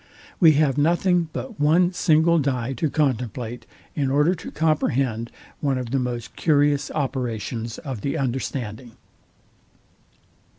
We have nothing but one single dye to contemplate, in order to comprehend one of the most curious operations of the understanding.